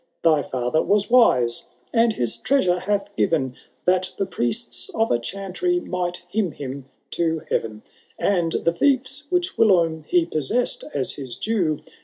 Thy fiither was wise, and his treasure hath given. That the priests of a chantry might hymn him to heaTen ; And the fie& which whilome he possessed as his due.